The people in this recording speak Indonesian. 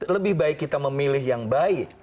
lebih baik kita memilih yang baik